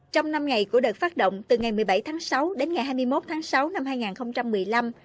trong năm ngày của đợt phát động từ ngày một mươi bảy tháng sáu đến ngày hai mươi một tháng sáu năm hai nghìn một mươi năm